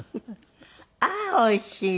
ああおいしい！